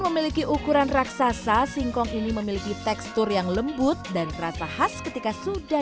memiliki ukuran raksasa singkong ini memiliki tekstur yang lembut dan terasa khas ketika sudah